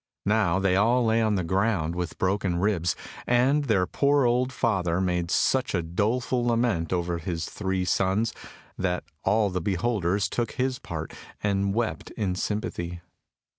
Now they all lay on the ground with broken ribs, and their poor old father made such a doleful lament over his three sons that all the beholders took his part and wept in sympathy.